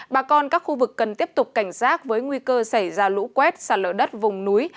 bà con các khu vực cần tiếp tục cảnh giác với nguy cơ xảy ra lũ quét sạt lở đất vùng núi